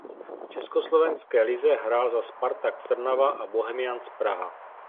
V československé lize hrál za Spartak Trnava a Bohemians Praha.